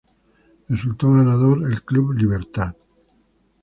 Resultó ganador el Club Libertad.